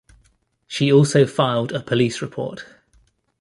She also filed a police report.